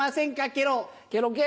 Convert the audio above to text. ケロケロ。